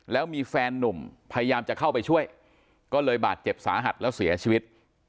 แล้วมีแฟนนุ่มพยายามจะเข้าไปช่วยก็เลยบาดเจ็บสาหัสแล้วเสียชีวิต